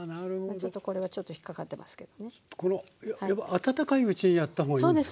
温かいうちにやった方がいいんですか？